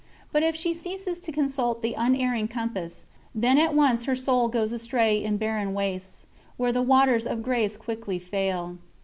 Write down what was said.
But if she ceases to consult the unerring compass, then at once her soul goes astray in barren wastes, where the waters of grace quickly fail.